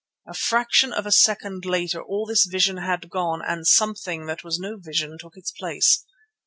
A fraction of a second later all this vision had gone and something that was no vision took its place.